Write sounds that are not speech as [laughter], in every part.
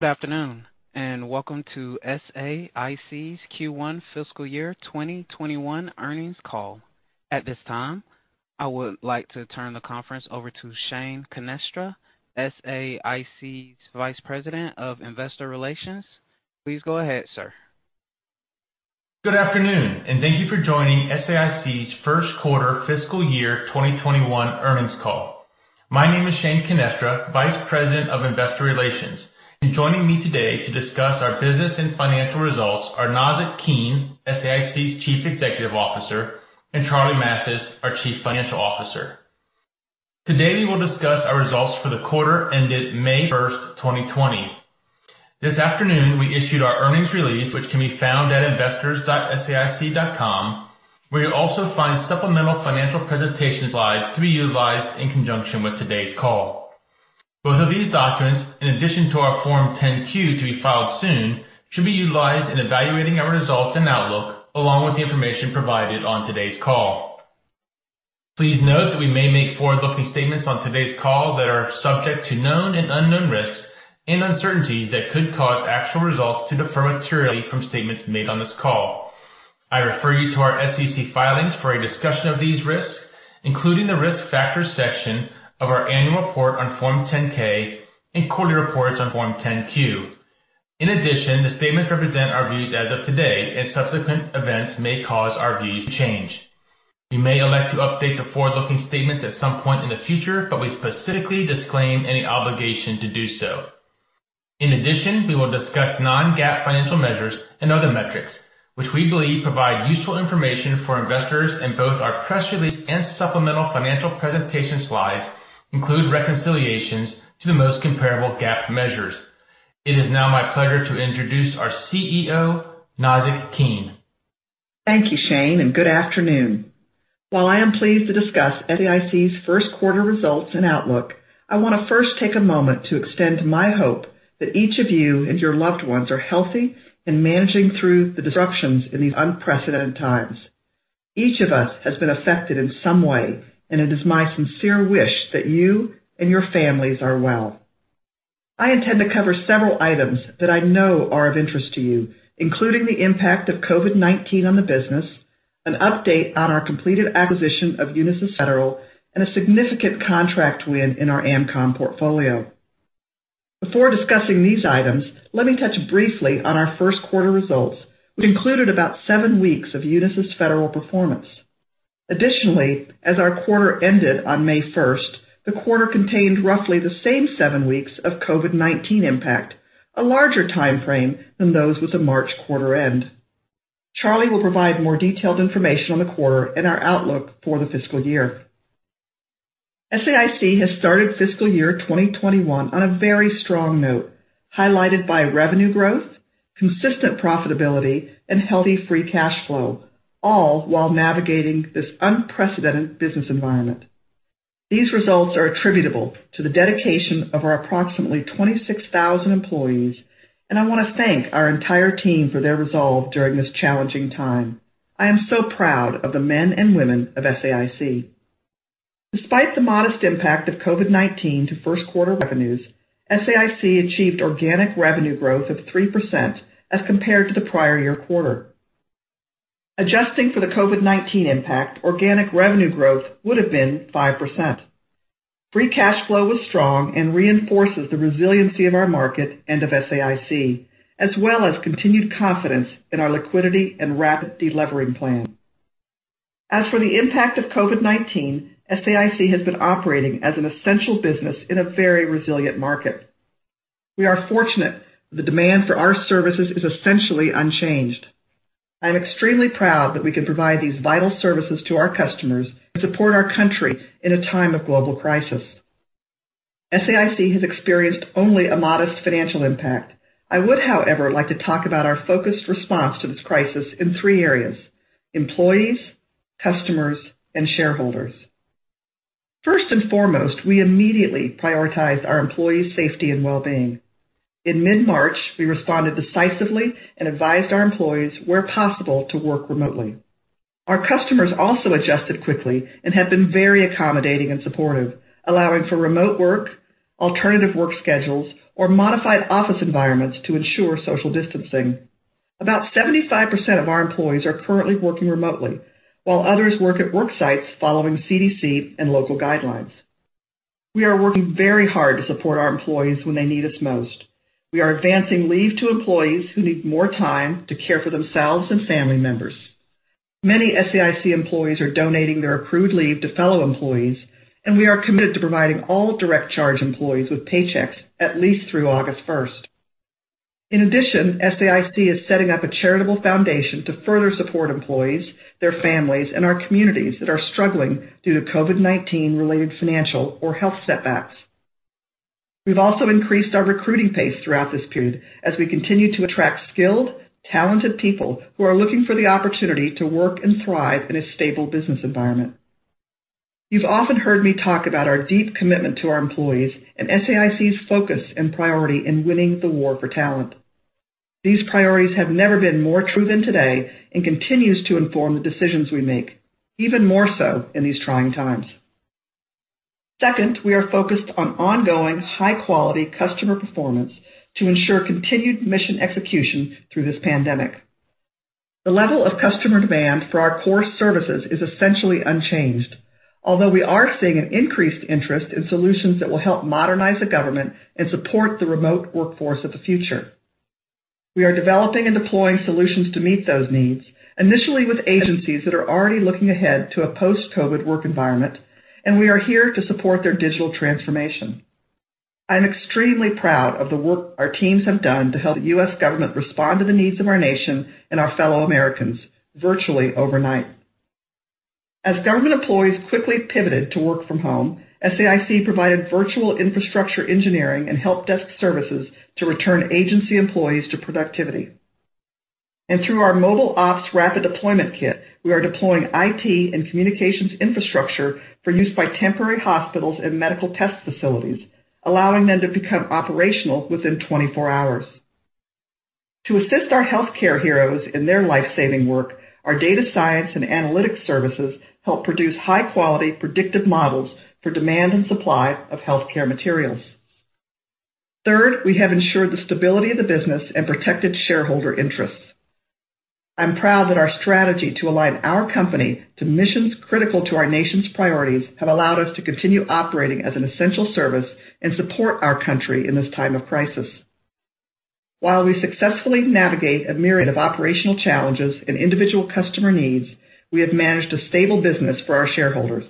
Good afternoon, and welcome to SAIC's Q1 fiscal year 2021 earnings call. At this time, I would like to turn the conference over to Shane Canestra, SAIC's Vice President of Investor Relations. Please go ahead, sir. Good afternoon, thank you for joining SAIC's first quarter fiscal year 2021 earnings call. My name is Shane Canestra, Vice President of Investor Relations. Joining me today to discuss our business and financial results are Nazzic Keene, SAIC's Chief Executive Officer, and Charlie Mathis, our Chief Financial Officer. Today we will discuss our results for the quarter ended May 1st, 2020. This afternoon we issued our earnings release, which can be found at investors.saic.com, where you'll also find supplemental financial presentation slides to be utilized in conjunction with today's call. Both of these documents, in addition to our Form 10-Q to be filed soon, should be utilized in evaluating our results and outlook along with the information provided on today's call. Please note that we may make forward-looking statements on today's call that are subject to known and unknown risks and uncertainties that could cause actual results to differ materially from statements made on this call. I refer you to our SEC filings for a discussion of these risks, including the Risk Factors section of our annual report on Form 10-K and quarterly reports on Form 10-Q. In addition, the statements represent our views as of today, and subsequent events may cause our views to change. We may elect to update the forward-looking statements at some point in the future, but we specifically disclaim any obligation to do so. In addition, we will discuss non-GAAP financial measures and other metrics which we believe provide useful information for investors, and both our press release and supplemental financial presentation slides include reconciliations to the most comparable GAAP measures. It is now my pleasure to introduce our CEO, Nazzic Keene. Thank you, Shane, and good afternoon. While I am pleased to discuss SAIC's first quarter results and outlook, I want to first take a moment to extend my hope that each of you and your loved ones are healthy and managing through the disruptions in these unprecedented times. Each of us has been affected in some way, and it is my sincere wish that you and your families are well. I intend to cover several items that I know are of interest to you, including the impact of COVID-19 on the business, an update on our completed acquisition of Unisys Federal, and a significant contract win in our AMCOM portfolio. Before discussing these items, let me touch briefly on our first quarter results. We included about seven weeks of Unisys Federal performance. Additionally, as our quarter ended on May 1st, the quarter contained roughly the same seven weeks of COVID-19 impact, a larger time frame than those with a March quarter end. Charlie will provide more detailed information on the quarter and our outlook for the fiscal year. SAIC has started fiscal year 2021 on a very strong note, highlighted by revenue growth, consistent profitability, and healthy free cash flow, all while navigating this unprecedented business environment. These results are attributable to the dedication of our approximately 26,000 employees, and I want to thank our entire team for their resolve during this challenging time. I am so proud of the men and women of SAIC. Despite the modest impact of COVID-19 to first quarter revenues, SAIC achieved organic revenue growth of 3% as compared to the prior year quarter. Adjusting for the COVID-19 impact, organic revenue growth would have been 5%. Free cash flow was strong and reinforces the resiliency of our market and of SAIC, as well as continued confidence in our liquidity and rapid delevering plan. As for the impact of COVID-19, SAIC has been operating as an essential business in a very resilient market. We are fortunate the demand for our services is essentially unchanged. I'm extremely proud that we can provide these vital services to our customers and support our country in a time of global crisis. SAIC has experienced only a modest financial impact. I would, however, like to talk about our focused response to this crisis in three areas. Employees, customers, and shareholders. First and foremost, we immediately prioritize our employees' safety and well-being. In mid-March, we responded decisively and advised our employees, where possible, to work remotely. Our customers also adjusted quickly and have been very accommodating and supportive, allowing for remote work, alternative work schedules, or modified office environments to ensure social distancing. About 75% of our employees are currently working remotely, while others work at work sites following CDC and local guidelines. We are working very hard to support our employees when they need us most. We are advancing leave to employees who need more time to care for themselves and family members. Many SAIC employees are donating their accrued leave to fellow employees, and we are committed to providing all direct charge employees with paychecks at least through August 1st. In addition, SAIC is setting up a charitable foundation to further support employees, their families, and our communities that are struggling due to COVID-19 related financial or health setbacks. We've also increased our recruiting pace throughout this period as we continue to attract skilled, talented people who are looking for the opportunity to work and thrive in a stable business environment. You've often heard me talk about our deep commitment to our employees and SAIC's focus and priority in winning the war for talent. These priorities have never been more true than today and continues to inform the decisions we make, even more so in these trying times. Second, we are focused on ongoing high-quality customer performance to ensure continued mission execution through this pandemic. The level of customer demand for our core services is essentially unchanged, although we are seeing an increased interest in solutions that will help modernize the government and support the remote workforce of the future. We are developing and deploying solutions to meet those needs, initially with agencies that are already looking ahead to a post-COVID work environment, and we are here to support their digital transformation. I'm extremely proud of the work our teams have done to help the U.S. government respond to the needs of our nation and our fellow Americans virtually overnight. As government employees quickly pivoted to work from home, SAIC provided virtual infrastructure engineering and help desk services to return agency employees to productivity. Through our Mobile Ops Rapid Deployment Kit, we are deploying IT and communications infrastructure for use by temporary hospitals and medical test facilities, allowing them to become operational within 24 hours. To assist our healthcare heroes in their life-saving work, our data science and analytics services help produce high-quality predictive models for demand and supply of healthcare materials. Third, we have ensured the stability of the business and protected shareholder interests. I'm proud that our strategy to align our company to missions critical to our nation's priorities have allowed us to continue operating as an essential service and support our country in this time of crisis. While we successfully navigate a myriad of operational challenges and individual customer needs, we have managed a stable business for our shareholders.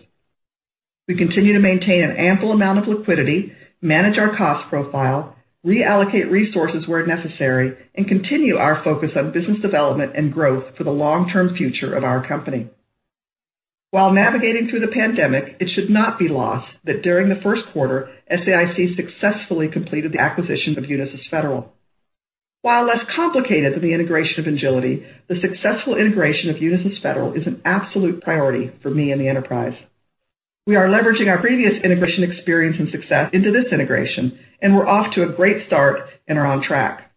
We continue to maintain an ample amount of liquidity, manage our cost profile, reallocate resources where necessary, and continue our focus on business development and growth for the long-term future of our company. While navigating through the pandemic, it should not be lost that during the first quarter, SAIC successfully completed the acquisition of Unisys Federal. While less complicated than the integration of Engility, the successful integration of Unisys Federal is an absolute priority for me and the enterprise. We are leveraging our previous integration experience and success into this integration, and we're off to a great start and are on track.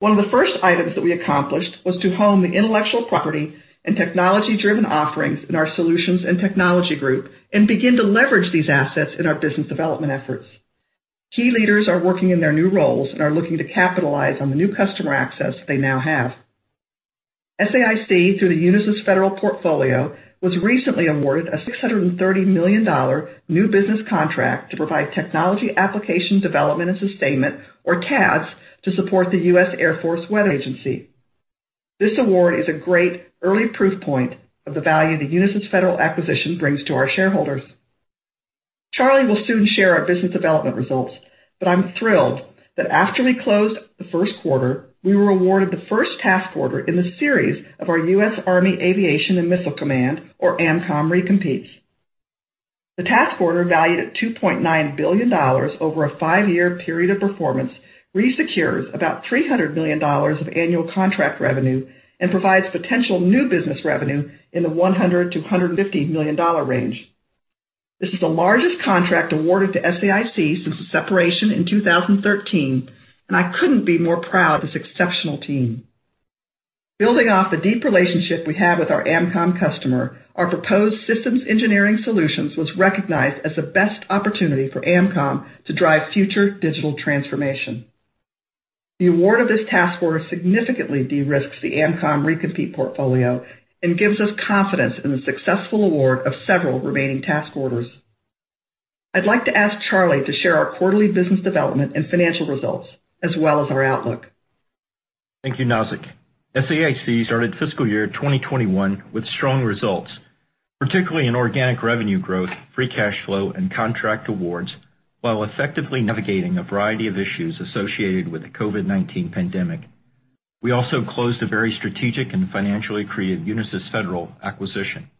One of the first items that we accomplished was to hone the intellectual property and technology-driven offerings in our solutions and technology group and begin to leverage these assets in our business development efforts. Key leaders are working in their new roles and are looking to capitalize on the new customer access they now have. SAIC, through the Unisys Federal portfolio, was recently awarded a $630 million new business contract to provide Technology Application Development and Sustainment, or TADS, to support the U.S. Air Force weather agency. This award is a great early proof point of the value the Unisys Federal acquisition brings to our shareholders. Charlie will soon share our business development results, but I'm thrilled that after we closed the first quarter, we were awarded the first task order in the series of our U.S. Army Aviation and Missile Command, or AMCOM, recompetes. The task order, valued at $2.9 billion over a five-year period of performance, resecures about $300 million of annual contract revenue and provides potential new business revenue in the $100 million-$150 million range. This is the largest contract awarded to SAIC since the separation in 2013, and I couldn't be more proud of this exceptional team. Building off the deep relationship we have with our AMCOM customer, our proposed systems engineering solutions was recognized as the best opportunity for AMCOM to drive future digital transformation. The award of this task order significantly de-risks the AMCOM recompete portfolio and gives us confidence in the successful award of several remaining task orders. I'd like to ask Charlie to share our quarterly business development and financial results, as well as our outlook. Thank you, Nazzic. SAIC started fiscal year 2021 with strong results, particularly in organic revenue growth, free cash flow, and contract awards, while effectively navigating a variety of issues associated with the COVID-19 pandemic. We also closed a very strategic and financially accretive Unisys Federal acquisition.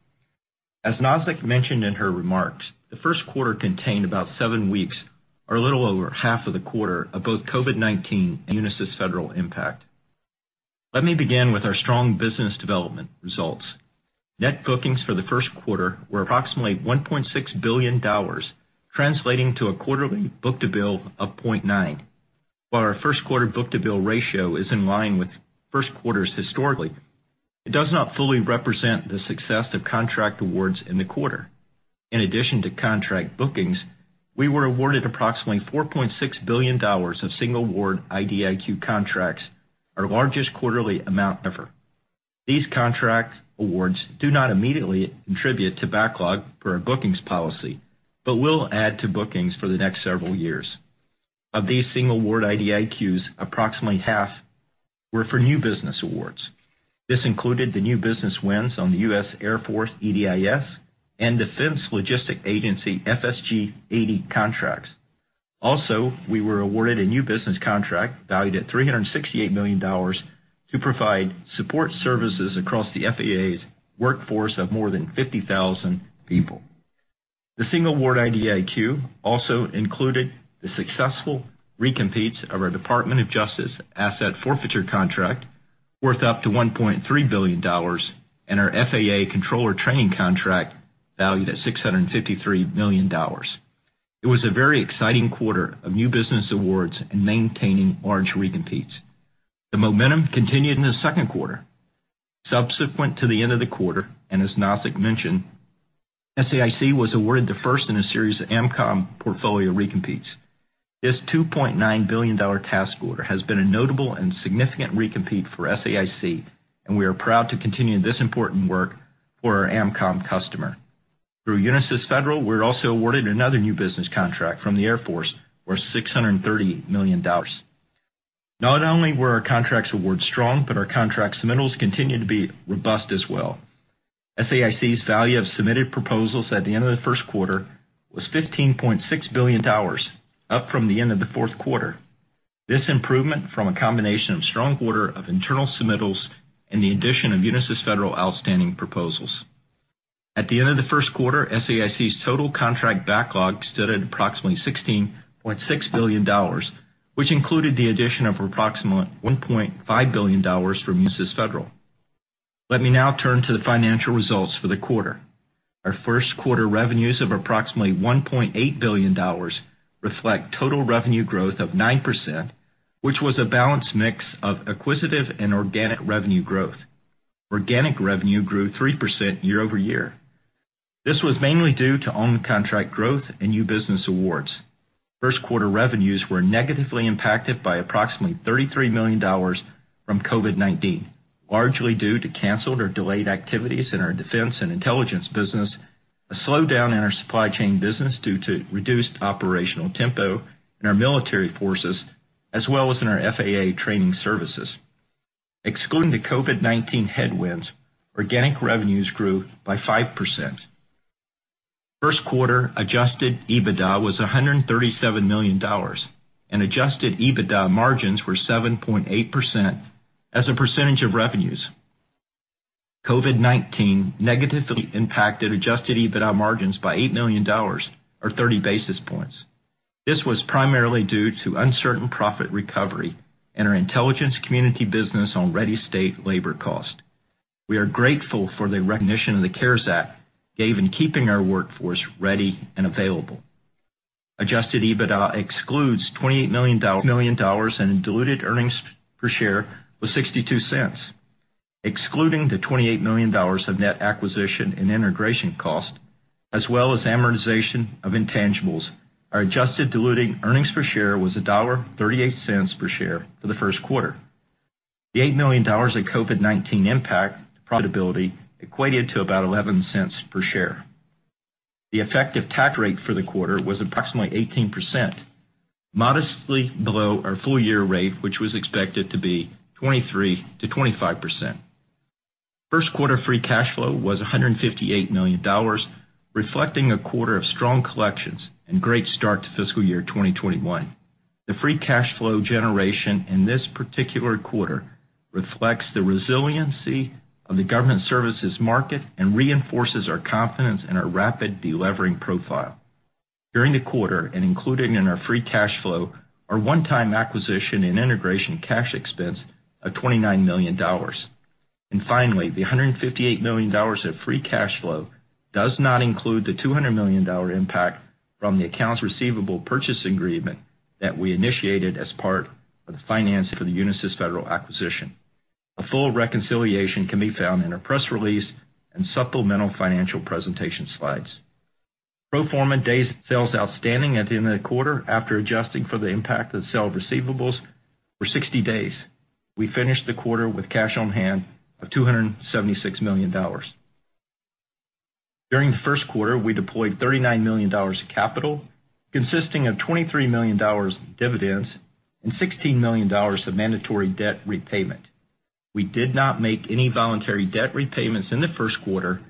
As Nazzic mentioned in her remarks, the first quarter contained about seven weeks or a little over half of the quarter of both COVID-19 and Unisys Federal impact. Let me begin with our strong business development results. Net bookings for the first quarter were approximately $1.6 billion, translating to a quarterly book-to-bill of 0.9. While our first quarter book-to-bill ratio is in line with first quarters historically, it does not fully represent the success of contract awards in the quarter. In addition to contract bookings, we were awarded approximately $4.6 billion of single award IDIQ contracts, our largest quarterly amount ever. These contract awards do not immediately contribute to backlog per our bookings policy, but will add to bookings for the next several years. Of these single award IDIQs, approximately half were for new business awards. This included the new business wins on the U.S. Air Force EDIS and Defense Logistics Agency FSG-80 contracts. Also, we were awarded a new business contract valued at $378 million to provide support services across the FAA's workforce of more than 50,000 people. The single award IDIQ also included the successful recompetes of our Department of Justice Asset Forfeiture contract worth up to $1.3 billion and our FAA Controller Training contract valued at $653 million. It was a very exciting quarter of new business awards and maintaining large recompetes. The momentum continued in the second quarter. Subsequent to the end of the quarter, as Nazzic mentioned, SAIC was awarded the first in a series of AMCOM portfolio recompetes. This $2.9 billion task order has been a notable and significant recompete for SAIC, and we are proud to continue this important work for our AMCOM customer. Through Unisys Federal, we're also awarded another new business contract from the Air Force for $630 million. Not only were our contracts awards strong, but our contracts submittals continue to be robust as well. SAIC's value of submitted proposals at the end of the first quarter was $15.6 billion, up from the end of the fourth quarter. This improvement from a combination of strong order of internal submittals and the addition of Unisys Federal outstanding proposals. At the end of the first quarter, SAIC's total contract backlog stood at approximately $16.6 billion, which included the addition of approximately $1.5 billion from Unisys Federal. Let me now turn to the financial results for the quarter. Our first quarter revenues of approximately $1.8 billion reflect total revenue growth of 9%, which was a balanced mix of acquisitive and organic revenue growth. Organic revenue grew 3% year-over-year. This was mainly due to own contract growth and new business awards. First quarter revenues were negatively impacted by approximately $33 million from COVID-19, largely due to canceled or delayed activities in our defense and intelligence business, a slowdown in our supply chain business due to reduced operational tempo in our military forces, as well as in our FAA training services. Excluding the COVID-19 headwinds, organic revenues grew by 5%. First quarter adjusted EBITDA was $137 million, and adjusted EBITDA margins were 7.8% as a percentage of revenues. COVID-19 negatively impacted adjusted EBITDA margins by $8 million, or 30 basis points. This was primarily due to uncertain profit recovery in our intelligence community business on ready-state labor cost. We are grateful for the recognition the CARES Act gave in keeping our workforce ready and available. Adjusted EBITDA excludes $28 million, and diluted earnings per share was $0.62. Excluding the $28 million of net acquisition and integration costs, as well as amortization of intangibles, our adjusted diluted earnings per share was $1.38 per share for the first quarter. The $8 million of COVID-19 impact profitability equated to about $0.11 per share. The effective tax rate for the quarter was approximately 18%, modestly below our full year rate, which was expected to be 23%-25%. First quarter free cash flow was $158 million, reflecting a quarter of strong collections and great start to fiscal year 2021. The free cash flow generation in this particular quarter reflects the resiliency of the government services market and reinforces our confidence in our rapid delevering profile. During the quarter, and including in our free cash flow, our one-time acquisition and integration cash expense of $29 million. Finally, the $158 million of free cash flow does not include the $200 million impact from the accounts receivable purchase agreement that we initiated as part of the financing for the Unisys Federal acquisition. A full reconciliation can be found in our press release and supplemental financial presentation slides. Pro forma days sales outstanding at the end of the quarter, after adjusting for the impact of the sale of receivables, were 60 days. We finished the quarter with cash on hand of $276 million. During the first quarter, we deployed $39 million of capital, consisting of $23 million in dividends and $16 million of mandatory debt repayment. We did not make any voluntary debt repayments in the first quarter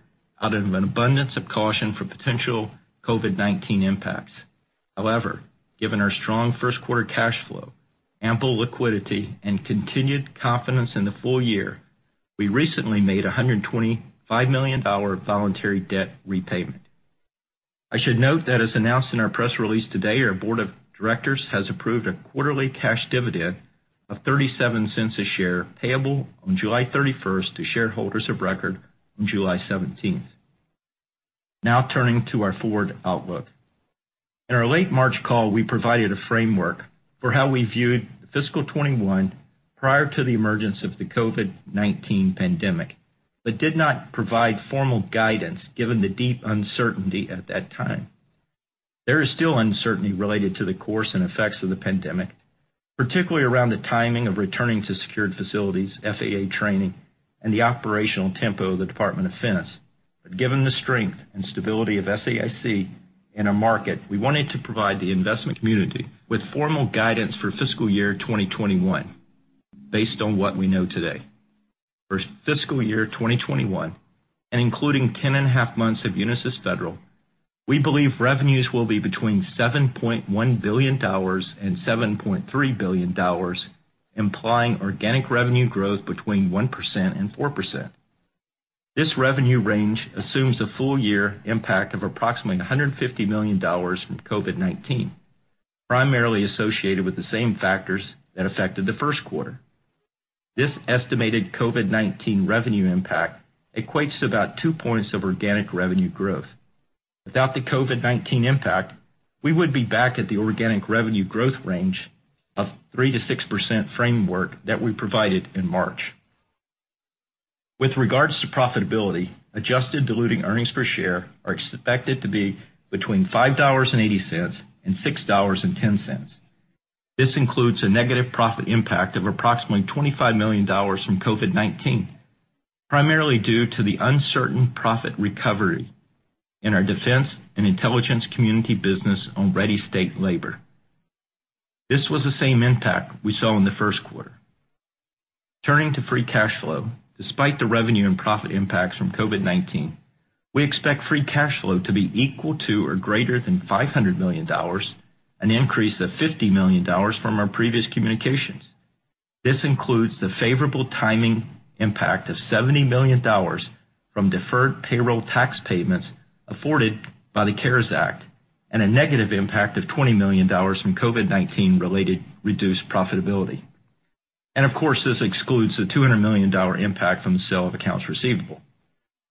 out of an abundance of caution for potential COVID-19 impacts. Given our strong first quarter cash flow, ample liquidity, and continued confidence in the full year, we recently made $125 million of voluntary debt repayment. I should note that as announced in our press release today, our board of directors has approved a quarterly cash dividend of $0.37 a share, payable on July 31st to shareholders of record on July 17th. Turning to our forward outlook. In our late March call, we provided a framework for how we viewed fiscal 2021 prior to the emergence of the COVID-19 pandemic, but did not provide formal guidance given the deep uncertainty at that time. There is still uncertainty related to the course and effects of the pandemic, particularly around the timing of returning to secured facilities, FAA training, and the operational tempo of the Department of Defense. Given the strength and stability of SAIC in our market, we wanted to provide the investment community with formal guidance for fiscal year 2021 based on what we know today. For fiscal year 2021, and including 10 and a half months of Unisys Federal, we believe revenues will be between $7.1 billion and $7.3 billion, implying organic revenue growth between 1% and 4%. This revenue range assumes a full year impact of approximately $150 million from COVID-19, primarily associated with the same factors that affected the first quarter. This estimated COVID-19 revenue impact equates to about two points of organic revenue growth. Without the COVID-19 impact, we would be back at the organic revenue growth range of 3%-6% framework that we provided in March. With regards to profitability, adjusted diluted earnings per share are expected to be between $5.80 and $6.10. This includes a negative profit impact of approximately $25 million from COVID-19, primarily due to the uncertain profit recovery in our defense and intelligence community business on ready state labor. This was the same impact we saw in the first quarter. Turning to free cash flow, despite the revenue and profit impacts from COVID-19, we expect free cash flow to be equal to or greater than $500 million, an increase of $50 million from our previous communications. This includes the favorable timing impact of $70 million from deferred payroll tax payments afforded by the CARES Act and a negative impact of $20 million from COVID-19 related reduced profitability. Of course, this excludes the $200 million impact from the sale of accounts receivable.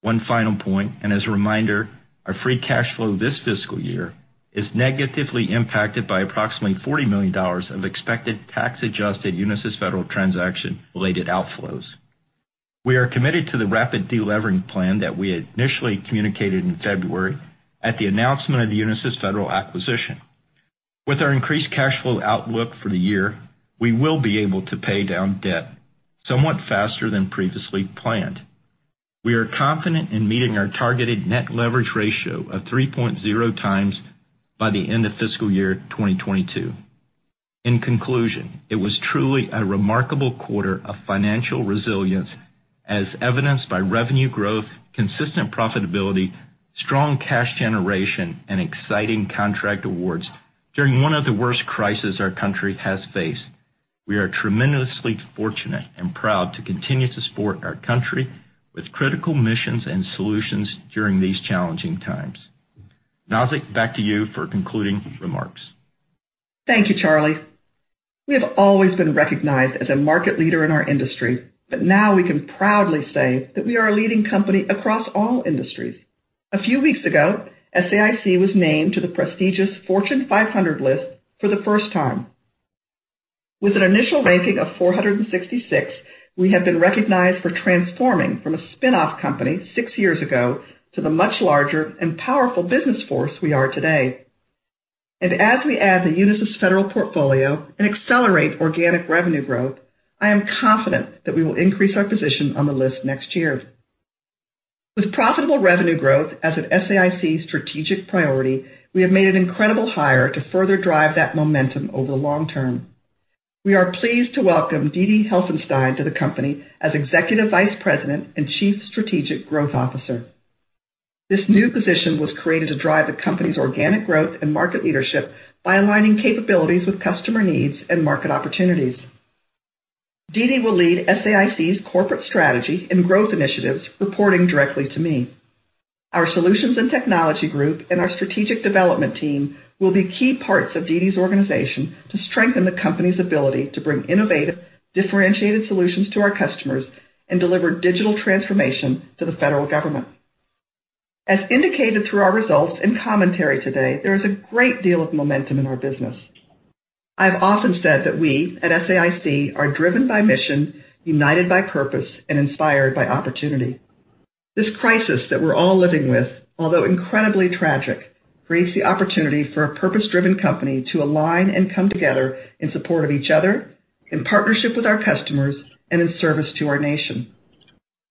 One final point, and as a reminder, our free cash flow this fiscal year is negatively impacted by approximately $40 million of expected tax-adjusted Unisys Federal transaction-related outflows. We are committed to the rapid delevering plan that we initially communicated in February at the announcement of the Unisys Federal acquisition. With our increased cash flow outlook for the year, we will be able to pay down debt somewhat faster than previously planned. We are confident in meeting our targeted net leverage ratio of 3.0x by the end of fiscal year 2022. In conclusion, it was truly a remarkable quarter of financial resilience as evidenced by revenue growth, consistent profitability, strong cash generation, and exciting contract awards during one of the worst crises our country has faced. We are tremendously fortunate and proud to continue to support our country with critical missions and solutions during these challenging times. Nazzic, back to you for concluding remarks. Thank you, Charlie. We have always been recognized as a market leader in our industry, but now we can proudly say that we are a leading company across all industries. A few weeks ago, SAIC was named to the prestigious Fortune 500 list for the first time. With an initial ranking of 466, we have been recognized for transforming from a spin-off company six years ago to the much larger and powerful business force we are today. As we add the Unisys Federal portfolio and accelerate organic revenue growth, I am confident that we will increase our position on the list next year. With profitable revenue growth as an SAIC strategic priority, we have made an incredible hire to further drive that momentum over the long term. We are pleased to welcome Dee Dee Helfenstein to the company as Executive Vice President and Chief Strategic Growth Officer. This new position was created to drive the company's organic growth and market leadership by aligning capabilities with customer needs and market opportunities. Dee Dee will lead SAIC's corporate strategy and growth initiatives, reporting directly to me. Our solutions and technology group and our strategic development team will be key parts of Dee Dee's organization to strengthen the company's ability to bring innovative, differentiated solutions to our customers and deliver digital transformation to the federal government. As indicated through our results and commentary today, there is a great deal of momentum in our business. I've often said that we at SAIC are driven by mission, united by purpose, and inspired by opportunity. This crisis that we're all living with, although incredibly tragic, creates the opportunity for a purpose-driven company to align and come together in support of each other, in partnership with our customers, and in service to our nation.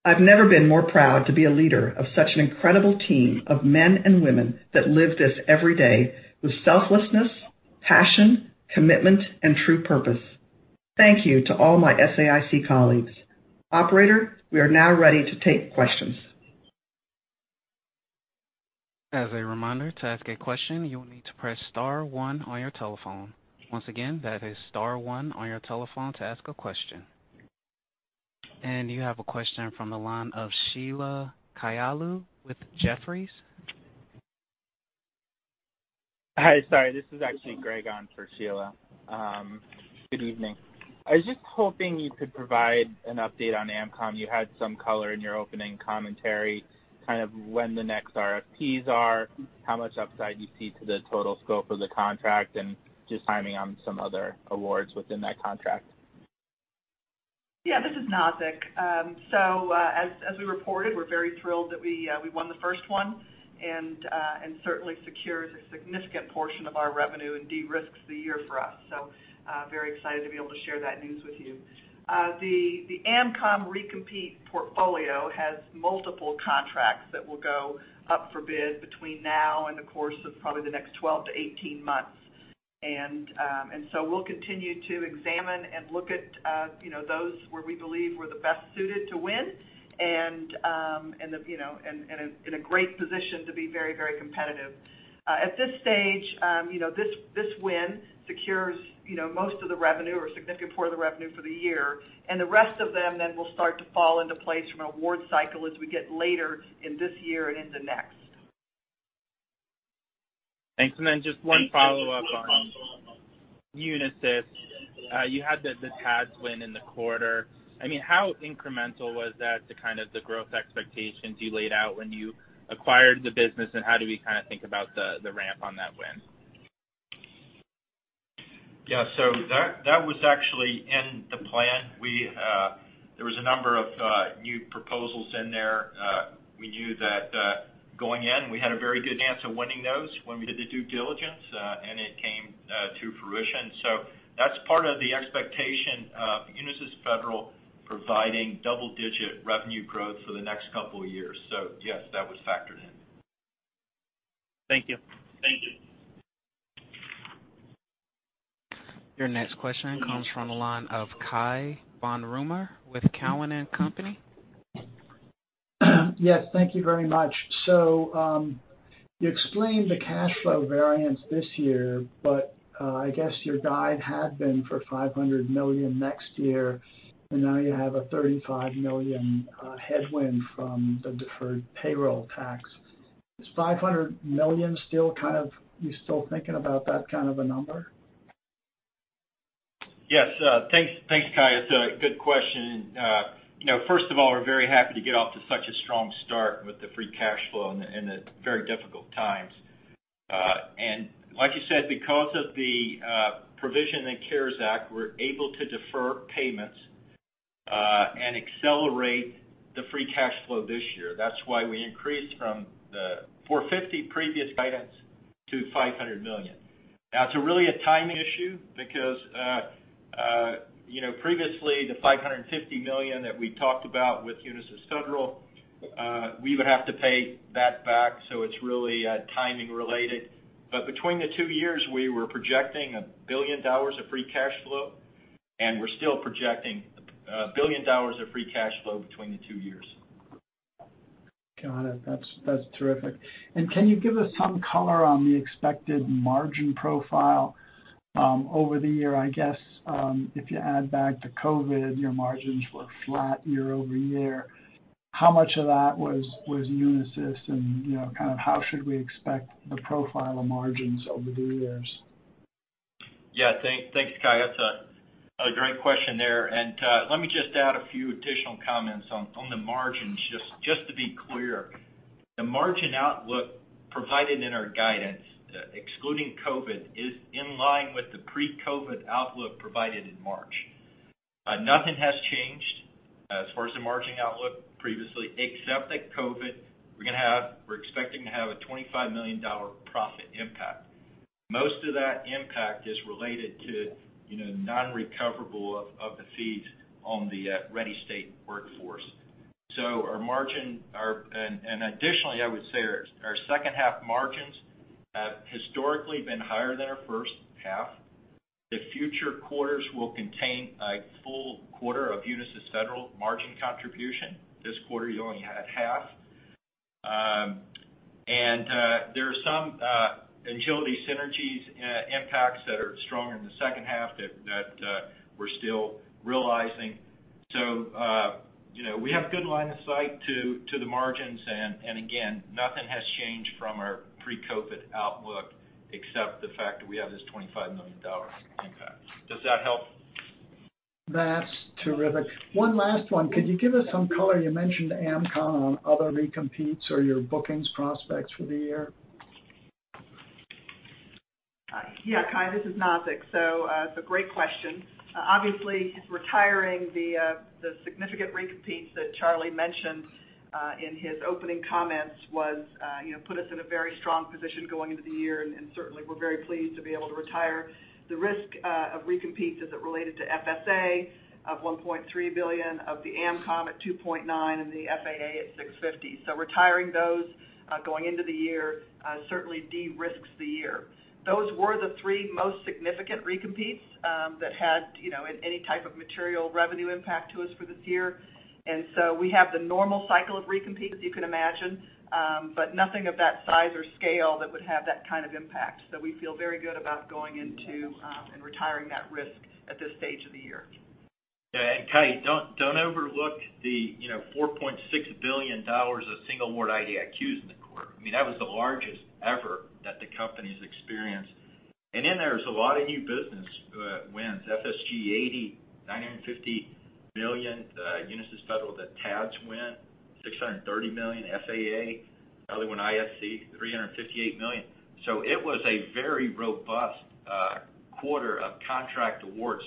I've never been more proud to be a leader of such an incredible team of men and women that live this every day with selflessness, passion, commitment, and true purpose. Thank you to all my SAIC colleagues. Operator, we are now ready to take questions. As a reminder, to ask a question, you will need to press star one on your telephone. Once again, that is star one on your telephone to ask a question. You have a question from the line of Sheila Kahyaoglu with Jefferies. Hi, sorry, this is actually Greg on for Sheila. Good evening. I was just hoping you could provide an update on AMCOM. You had some color in your opening commentary, kind of when the next RFPs are, how much upside you see to the total scope of the contract, and just timing on some other awards within that contract. Yeah, this is Nazzic. As we reported, we're very thrilled that we won the first one and certainly secures a significant portion of our revenue and de-risks the year for us. Very excited to be able to share that news with you. The AMCOM recompete portfolio has multiple contracts that will go up for bid between now and the course of probably the next 12-18 months. We'll continue to examine and look at those where we believe we're the best suited to win and in a great position to be very competitive. At this stage, this win secures most of the revenue or a significant portion of the revenue for the year, and the rest of them then will start to fall into place from an award cycle as we get later in this year and into next. Thanks. Just one follow-up on Unisys. You had the TADS win in the quarter. How incremental was that to kind of the growth expectations you laid out when you acquired the business, and how do we think about the ramp on that win? Yeah. That was actually in the plan. There was a number of new proposals in there. We knew that, going in, we had a very good chance of winning those when we did the due diligence, and it came to fruition. That's part of the expectation of Unisys Federal providing double-digit revenue growth for the next couple of years. Yes, that was factored in. Thank you. Your next question comes from the line of Cai von Rumohr with Cowen and Company. Yes, thank you very much. You explained the cash flow variance this year, I guess your guide had been for $500 million next year, and now you have a $35 million headwind from the deferred payroll tax. Is $500 million still kind of, you still thinking about that kind of a number? Yes. Thanks, Cai. It's a good question. First of all, we're very happy to get off to such a strong start with the free cash flow in the very difficult times. Like you said, because of the provision in the CARES Act, we're able to defer payments, and accelerate the free cash flow this year. That's why we increased from the $450 million previous guidance to $500 million. It's really a timing issue because previously the $550 million that we talked about with Unisys Federal, we would have to pay that back. It's really timing related. Between the two years, we were projecting $1 billion of free cash flow, and we're still projecting $1 billion of free cash flow between the two years. Got it. That's terrific. Can you give us some color on the expected margin profile over the year? I guess, if you add back the COVID, your margins were flat year-over-year. How much of that was Unisys and kind of how should we expect the profile of margins over the years? Yeah. Thanks, Cai. That's a great question there. Let me just add a few additional comments on the margins, just to be clear. The margin outlook provided in our guidance, excluding COVID, is in line with the pre-COVID outlook provided in March. Nothing has changed as far as the margin outlook previously, except that COVID, we're expecting to have a $25 million profit impact. Most of that impact is related to non-recoverable of the fees on the ready state workforce. Additionally, I would say our second half margins have historically been higher than our first half. The future quarters will contain a full quarter of Unisys Federal margin contribution. This quarter, you only had half. There are some Engility synergies impacts that are stronger in the second half that we're still realizing. We have good line of sight to the margins, and again, nothing has changed from our pre-COVID outlook except the fact that we have this $25 million impact. Does that help? That's terrific. One last one. Could you give us some color, you mentioned AMCOM on other recompetes or your bookings prospects for the year? Yeah, Cai, this is Nazzic. It's a great question. Obviously retiring the significant recompetes that Charlie mentioned in his opening comments put us in a very strong position going into the year, and certainly we're very pleased to be able to retire the risk of recompetes as it related to FSA of $1.3 billion, of the AMCOM at $2.9 billion, and the FAA at $650 million. Retiring those going into the year certainly de-risks the year. Those were the three most significant recompetes that had any type of material revenue impact to us for this year. We have the normal cycle of recompetes you could imagine, but nothing of that size or scale that would have that kind of impact. We feel very good about going into and retiring that risk at this stage of the year. Cai, don't overlook the $4.6 billion of single award IDIQs in the quarter. That was the largest ever that the company's experienced. In there is a lot of new business wins. FSG-80, $950 million. Unisys Federal, the TADS win, $630 million. FAA, other win, ISC, $378 million. It was a very robust quarter of contract awards.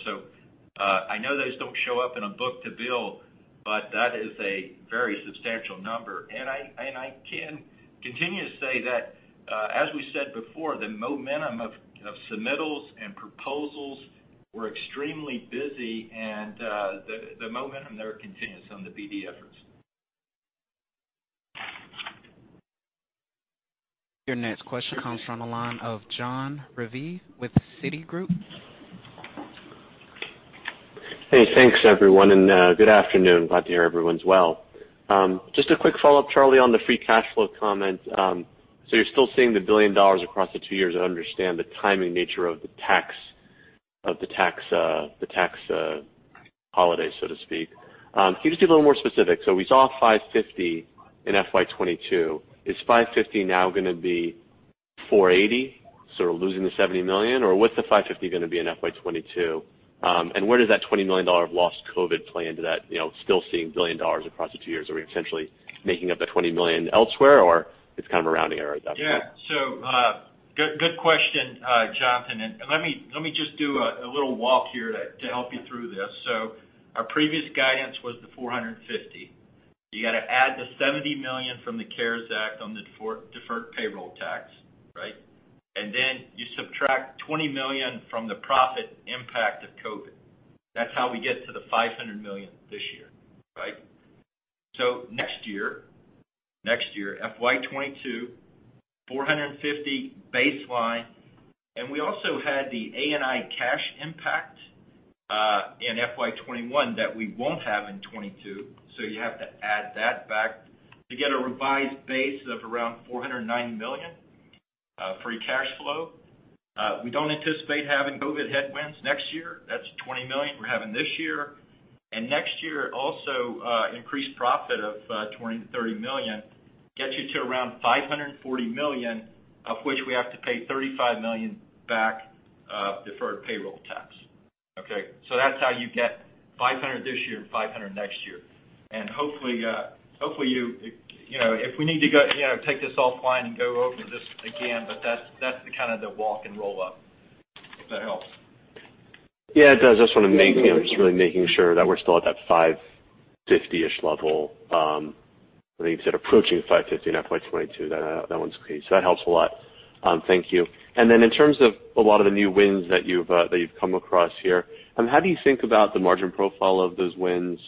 I know those don't show up in a book-to-bill, but that is a very substantial number, and I can continue to say that, as we said before, the momentum of submittals and proposals were extremely busy, and the momentum there continues on the BD efforts. Your next question comes from the line of Jon Raviv with Citigroup. Thanks everyone, good afternoon. Glad to hear everyone's well. Just a quick follow-up, Charlie, on the free cash flow comment. You're still seeing the $1 billion across the two years. I understand the timing nature of the tax holiday, so to speak. Can you just be a little more specific? We saw $550 million in FY 2022. Is $550 millions now going to be $480 millions, so we're losing the $70 million? What's the $550 million going to be in FY 2022? Where does that $20 million of lost COVID play into that, still seeing $1 billion across the two years? Are we essentially making up the $20 million elsewhere, or it's kind of a rounding error at that point? Yeah. Good question, Jonathan, and let me just do a little walk here to help you through this. Our previous guidance was the $450 million. You got to add the $70 million from the CARES Act on the deferred payroll tax, right? You subtract $20 million from the profit impact of COVID. That's how we get to the $500 million this year, right? Next year, FY 2022, $450 millions baseline. We also had the A&I cash impact in FY 2021 that we won't have in 2022, so you have to add that back to get a revised base of around $490 million free cash flow. We don't anticipate having COVID headwinds next year. That's $20 million we're having this year. Next year, also, increased profit of $20 million-$30 million gets you to around $540 million, of which we have to pay $35 million back deferred payroll tax. Okay? That's how you get $500 this year and $500 next year. Hopefully, if we need to take this offline and go over this again, but that's kind of the walk and roll-up, if that helps. Yeah, it does. Just really making sure that we're still at that $550-ish million level. I believe you said approaching $550 million in FY 2022, that one's key. That helps a lot. Thank you. In terms of a lot of the new wins that you've come across here, how do you think about the margin profile of those wins?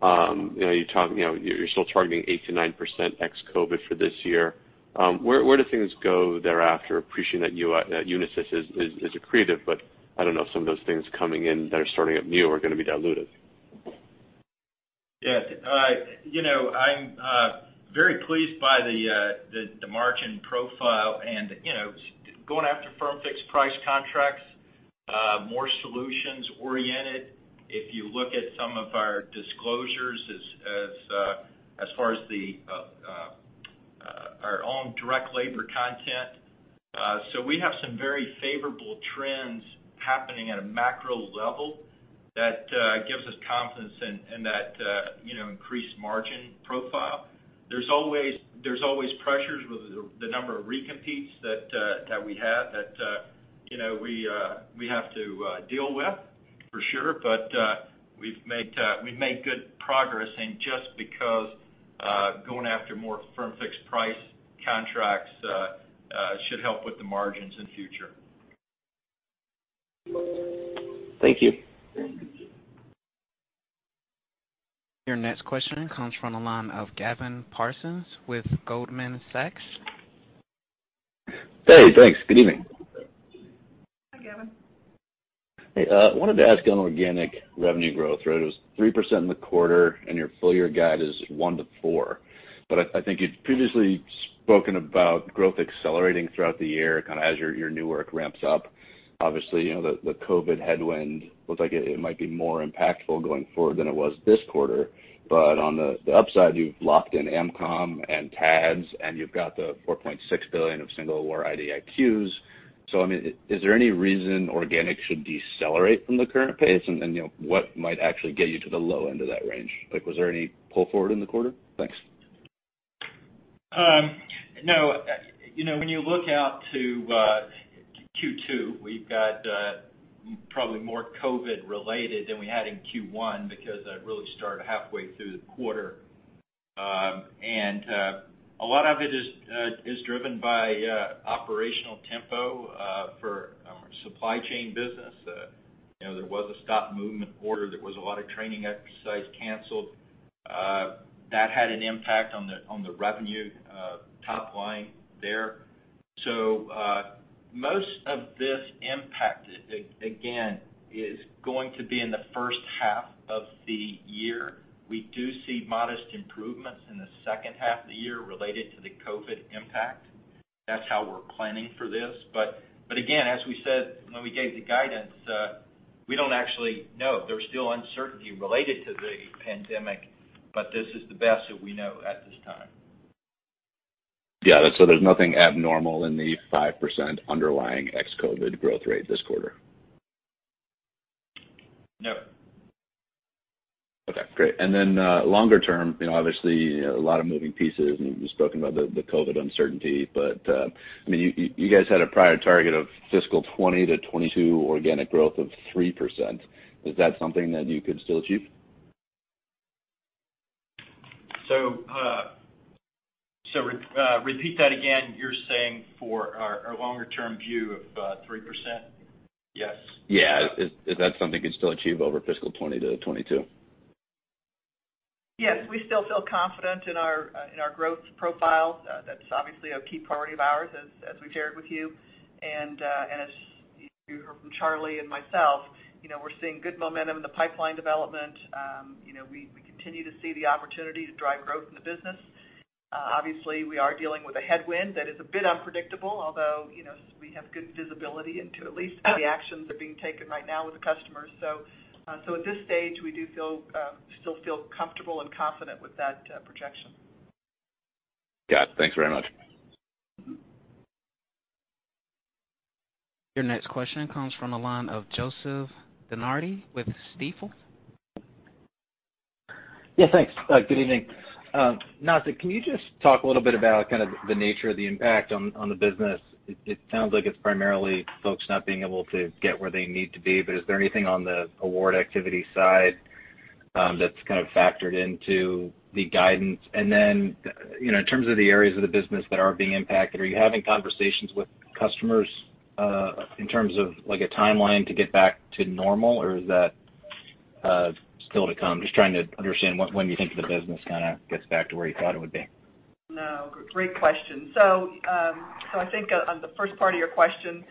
You're still targeting 8%-9% ex-COVID for this year. Where do things go thereafter? Appreciate that Unisys is accretive, but I don't know if some of those things coming in that are starting up new are going to be dilutive. Yes. I'm very pleased by the margin profile and going after firm-fixed-price contracts, more solutions-oriented. If you look at some of our disclosures as far as our own direct labor content. We have some very favorable trends happening at a macro level that gives us confidence in that increased margin profile. There's always pressures with the number of recompetes that we have that we have to deal with, for sure. We've made good progress in just because going after more firm-fixed-price contracts should help with the margins in future. Thank you. Your next question comes from the line of Gavin Parsons with Goldman Sachs. Hey, thanks. Good evening. Hi, Gavin. Hey. I wanted to ask on organic revenue growth. It was 3% in the quarter, and your full-year guide is 1%-4%. I think you'd previously spoken about growth accelerating throughout the year, kind of as your new work ramps up. Obviously, the COVID headwind looks like it might be more impactful going forward than it was this quarter. On the upside, you've locked in AMCOM and TADS, and you've got the $4.6 billion of single award IDIQs. I mean, is there any reason organic should decelerate from the current pace? What might actually get you to the low end of that range? Was there any pull forward in the quarter? Thanks. No. When you look out to Q2, we've got probably more COVID related than we had in Q1 because that really started halfway through the quarter. A lot of it is driven by operational tempo for our supply chain business. There was a stop movement order. There was a lot of training exercises canceled. That had an impact on the revenue top line there. Most of this impact, again, is going to be in the first half of the year. We do see modest improvements in the second half of the year related to the COVID impact. That's how we're planning for this. Again, as we said when we gave the guidance, we don't actually know. There's still uncertainty related to the pandemic, but this is the best that we know at this time. Yeah, there's nothing abnormal in the 5% underlying ex-COVID growth rate this quarter. No. Okay, great. Longer term, obviously a lot of moving pieces, and you've spoken about the COVID uncertainty, but you guys had a prior target of fiscal 2020-2022 organic growth of 3%. Is that something that you could still achieve? Repeat that again. You're saying for our longer-term view of 3%? Yes. Yeah. Is that something you'd still achieve over fiscal 2020-2022? Yes. We still feel confident in our growth profile. That's obviously a key priority of ours, as we shared with you. As you heard from Charlie and myself, we're seeing good momentum in the pipeline development. We continue to see the opportunity to drive growth in the business. Obviously, we are dealing with a headwind that is a bit unpredictable, although, we have good visibility into at least the actions that are being taken right now with the customers. At this stage, we do still feel comfortable and confident with that projection. Got it. Thanks very much. Your next question comes from the line of Joseph DeNardi with Stifel. Yeah, thanks. Good evening. Nazzic, can you just talk a little bit about the nature of the impact on the business? It sounds like it's primarily folks not being able to get where they need to be, but is there anything on the award activity side that's factored into the guidance? In terms of the areas of the business that are being impacted, are you having conversations with customers, in terms of a timeline to get back to normal, or is that still to come? Just trying to understand when you think the business gets back to where you thought it would be. No, great question. I think on the first part of your question,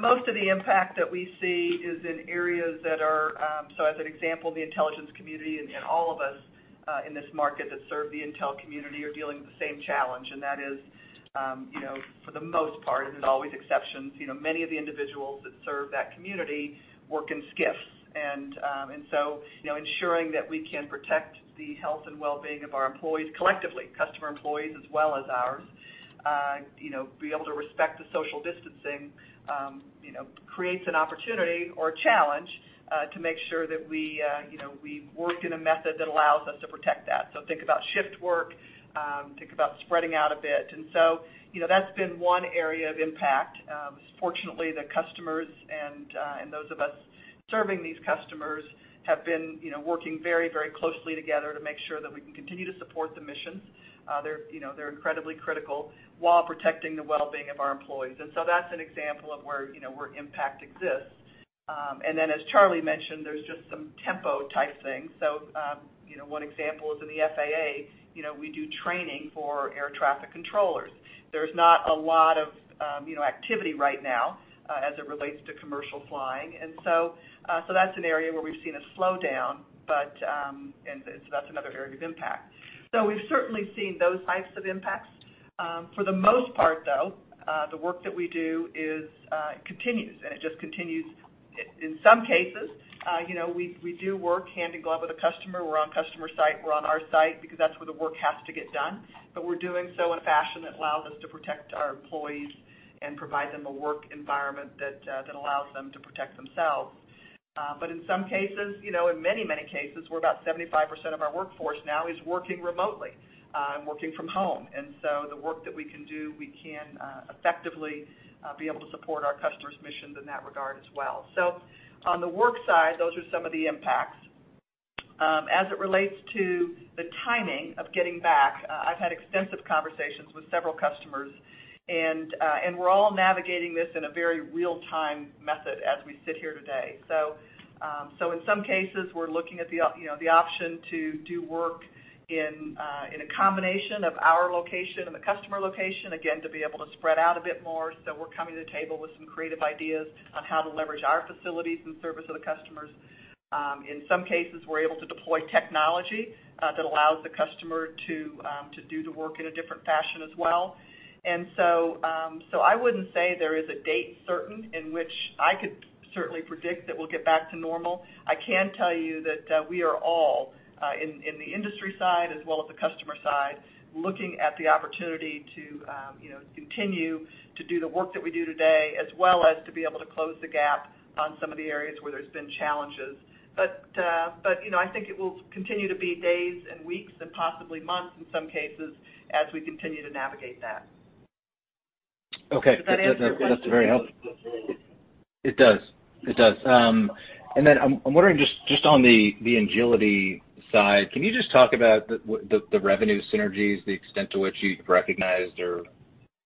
most of the impact that we see is in areas that are the intelligence community and all of us in this market that serve the intelligence community are dealing with the same challenge. That is, for the most part, isn't always exceptions, many of the individuals that serve that community work in SCIFs. Ensuring that we can protect the health and wellbeing of our employees collectively, customer employees as well as ours, be able to respect the social distancing, creates an opportunity or a challenge, to make sure that we work in a method that allows us to protect that. Think about shift work, think about spreading out a bit. That's been one area of impact. Fortunately, the customers and those of us serving these customers have been working very closely together to make sure that we can continue to support the missions, they're incredibly critical, while protecting the wellbeing of our employees. That's an example of where impact exists. Then as Charlie mentioned, there's just some tempo type things. One example is in the FAA, we do training for air traffic controllers. There's not a lot of activity right now as it relates to commercial flying, that's an area where we've seen a slowdown, that's another area of impact. We've certainly seen those types of impacts. For the most part, though, the work that we do continues, and it just continues. In some cases, we do work hand in glove with a customer. We're on customer site, we're on our site because that's where the work has to get done, but we're doing so in a fashion that allows us to protect our employees and provide them a work environment that allows them to protect themselves. In some cases, in many cases, where about 75% of our workforce now is working remotely, and working from home. The work that we can do, we can effectively be able to support our customers' missions in that regard as well. On the work side, those are some of the impacts. As it relates to the timing of getting back, I've had extensive conversations with several customers, and we're all navigating this in a very real-time method as we sit here today. In some cases, we're looking at the option to do work in a combination of our location and the customer location, again, to be able to spread out a bit more. We're coming to the table with some creative ideas on how to leverage our facilities in service of the customers. In some cases, we're able to deploy technology that allows the customer to do the work in a different fashion as well. I wouldn't say there is a date certain in which I could certainly predict that we'll get back to normal. I can tell you that we are all, in the industry side as well as the customer side, looking at the opportunity to continue to do the work that we do today, as well as to be able to close the gap on some of the areas where there's been challenges. I think it will continue to be days and weeks, and possibly months in some cases as we continue to navigate that. Okay. Does that answer your question? That's very helpful. It does. I'm wondering just on the Engility side, can you just talk about the revenue synergies, the extent to which you've recognized or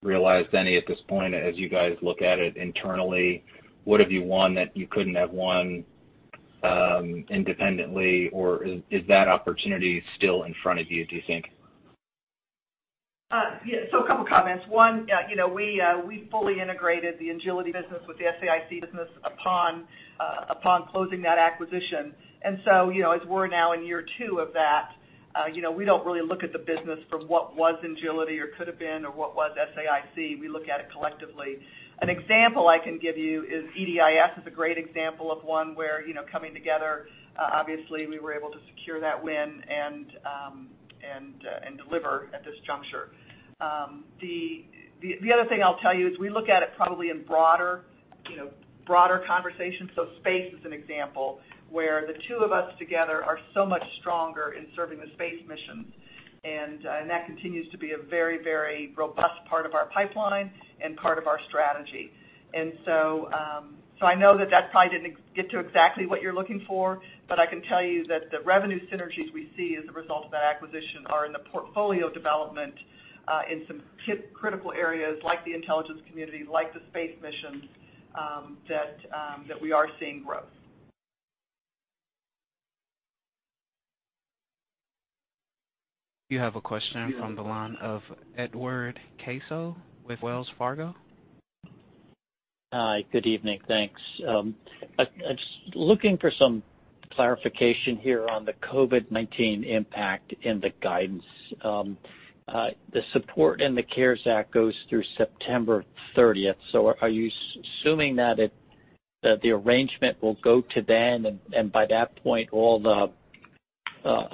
realized any at this point as you guys look at it internally? What have you won that you couldn't have won independently, or is that opportunity still in front of you, do you think? Yeah. A couple of comments. One, we fully integrated the Engility business with the SAIC business upon closing that acquisition. As we're now in year two of that, we don't really look at the business from what was Engility or could've been, or what was SAIC, we look at it collectively. An example I can give you is EDIS is a great example of one where, coming together, obviously we were able to secure that win and deliver at this juncture. The other thing I'll tell you is we look at it probably in broader conversations. Space is an example where the two of us together are so much stronger in serving the space mission. That continues to be a very robust part of our pipeline and part of our strategy. I know that that probably didn't get to exactly what you're looking for, but I can tell you that the revenue synergies we see as a result of that acquisition are in the portfolio development, in some critical areas like the intelligence community, like the space mission, that we are seeing growth. You have a question from the line of Edward Caso with Wells Fargo. Hi, good evening. Thanks. I'm looking for some clarification here on the COVID-19 impact in the guidance. The support in the CARES Act goes through September 30th. Are you assuming that the arrangement will go to then, and by that point, all the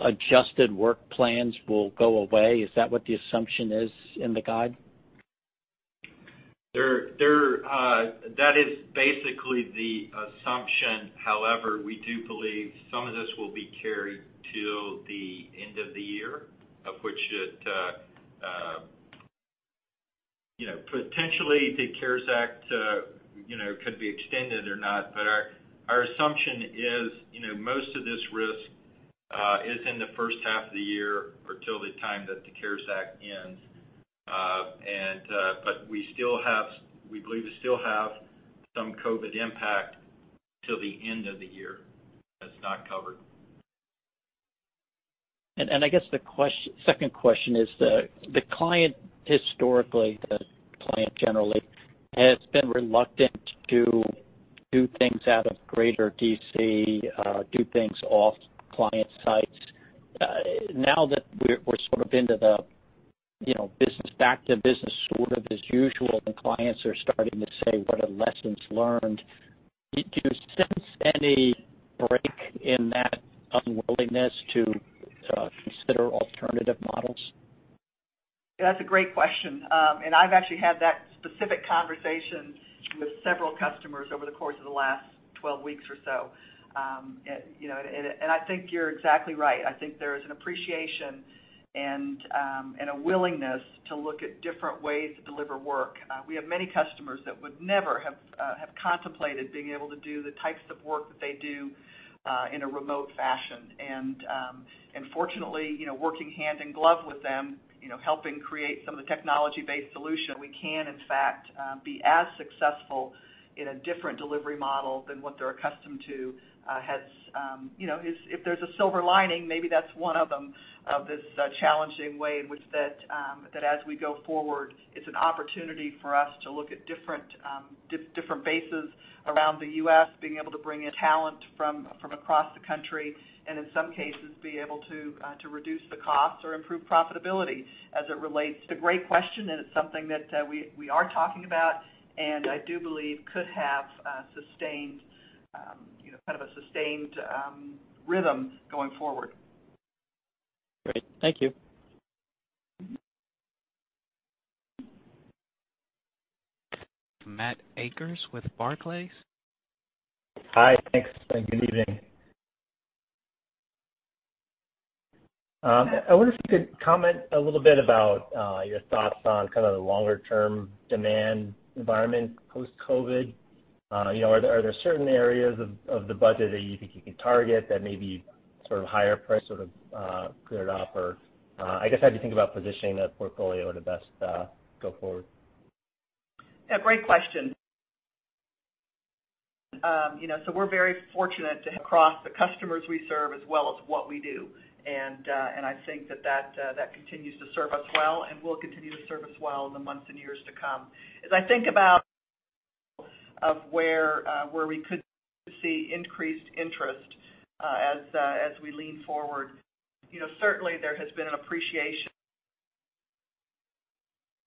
adjusted work plans will go away? Is that what the assumption is in the guide? That is basically the assumption. However, we do believe some of this will be carried to the end of the year, of which it potentially the CARES Act could be extended or not. Our assumption is most of this risk is in the first half of the year or till the time that the CARES Act ends. We believe we still have some COVID impact till the end of the year that's not covered. I guess the second question is, the client historically, the client generally, has been reluctant to do things out of greater D.C., do things off client sites. Now that we're into the back to business sort of as usual, and clients are starting to say, what are lessons learned? Do you sense any break in that unwillingness to consider alternative models? That's a great question. I've actually had that specific conversation with several customers over the course of the last 12 weeks or so. I think you're exactly right. I think there is an appreciation and a willingness to look at different ways to deliver work. We have many customers that would never have contemplated being able to do the types of work that they do in a remote fashion. Fortunately, working hand in glove with them, helping create some of the technology-based solution, we can in fact, be as successful in a different delivery model than what they're accustomed to. If there's a silver lining, maybe that's one of them, of this challenging way in which that as we go forward, it's an opportunity for us to look at different bases around the U.S., being able to bring in talent from across the country, and in some cases, be able to reduce the cost or improve profitability as it relates. It's a great question. It's something that we are talking about, and I do believe could have kind of a sustained rhythm going forward. Great. Thank you. Matt Akers with Barclays. Hi. Thanks, and good evening. I wonder if you could comment a little bit about your thoughts on kind of the longer-term demand environment post-COVID, are there certain areas of the budget that you think you can target that may be sort of higher price sort of cleared up or, I guess, how do you think about positioning the portfolio to best go forward? Yeah, great question. We're very fortunate to have crossed the customers we serve as well as what we do. I think that continues to serve us well and will continue to serve us well in the months and years to come. As I think about where we could see increased interest as we lean forward, certainly there has been an appreciation,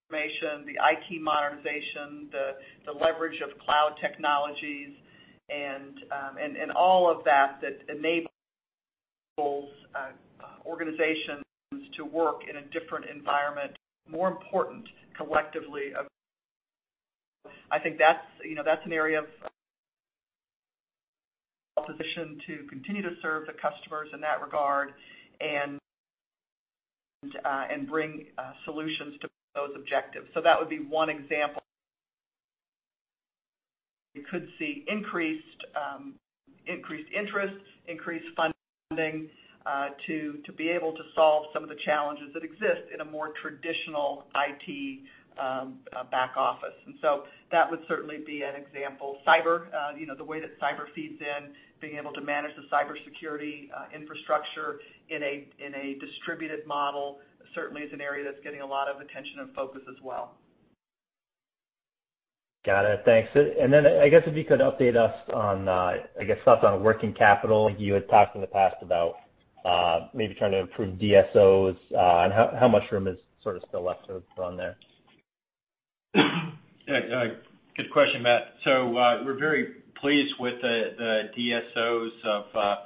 the information, the IT modernization, the leverage of cloud technologies, and all of that enables organizations to work in a different environment, more important collectively, I think that's an area of position to continue to serve the customers in that regard and bring solutions to those objectives. That would be one example. You could see increased interest, increased funding to be able to solve some of the challenges that exist in a more traditional IT back office. That would certainly be an example. Cyber, the way that cyber feeds in, being able to manage the cybersecurity infrastructure in a distributed model certainly is an area that's getting a lot of attention and focus as well. Got it. Thanks. I guess if you could update us on, I guess, thoughts on working capital. I think you had talked in the past about maybe trying to improve DSOs and how much room is sort of still left to run there? Good question, Matt. We're very pleased with the DSOs of